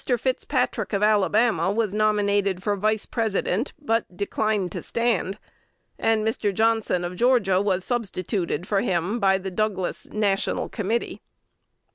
Fitzpatrick of Alabama was nominated for Vice President, but declined to stand; and Mr. Johnson of Georgia was substituted for him by the Douglas "National Committee."